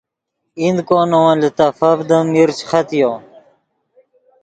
ایند کو نے ون لیتفڤدیم میر چے ختیو